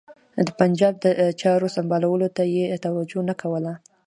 د پنجاب د چارو سمبالولو ته یې توجه نه کوله.